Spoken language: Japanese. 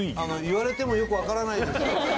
言われてもよくわからないですよ